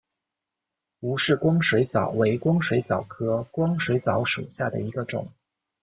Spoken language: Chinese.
吴氏光水蚤为光水蚤科光水蚤属下的一个种。